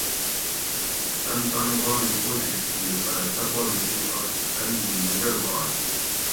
تن تانی بامیں کوشش کیر پرہ سہ پا لوکوٹ آشو تن می نہ گڑوائ